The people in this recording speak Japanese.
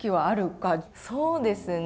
そうですね。